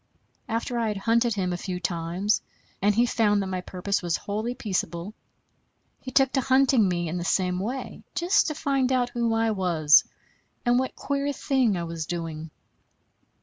After I had hunted him a few times, and he found that my purpose was wholly peaceable, he took to hunting me in the same way, just to find out who I was, and what queer thing I was doing.